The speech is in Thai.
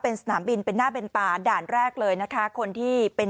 เป็นสนามบินเป็นหน้าเป็นตาด่านแรกเลยนะคะคนที่เป็น